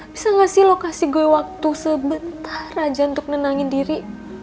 bisa gak sih lo kasih gue waktu sebentar aja untuk nenangin diri